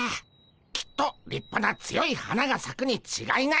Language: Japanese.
きっとりっぱな強い花がさくにちがいないでゴンス。